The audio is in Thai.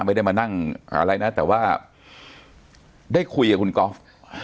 ไม่ได้มานั่งอะไรนะแต่ว่าได้คุยกับคุณก๊อฟ